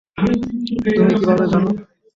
তুমি কিভাবে জানো?